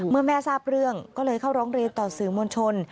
เมื่อแม่ทราบเรื่องก็เลยเข้าร้องเรียนต่อสื่อมวลชน